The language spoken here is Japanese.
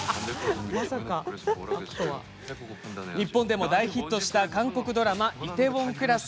日本でも大ヒットした韓国ドラマ「梨泰院クラス」。